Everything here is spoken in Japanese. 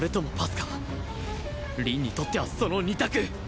凛にとってはその２択